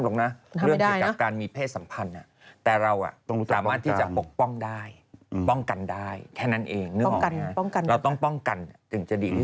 ตอนนี้สภาพจิตใจดีขึ้นมานิดนึงแล้ว